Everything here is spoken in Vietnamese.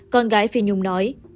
con gái phi nhung nói